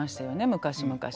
昔々。